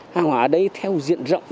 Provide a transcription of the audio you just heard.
hàng hóa ở đây theo diện rộng